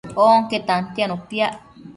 Onque tantianu piac